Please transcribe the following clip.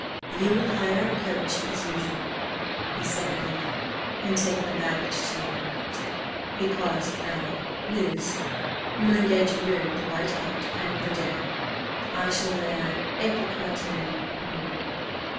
"You will hire a coach, as usual," he said at length, "and take my baggage to—" (He paused, frowning)—"Lewes. You will engage a room at the White Hart and order dinner. I shall wear–apricot and–h'm!"